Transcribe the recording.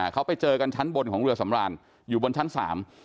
เขาไปเจอกันชั้นบนของเรือสำรานอยู่บนชั้นสาม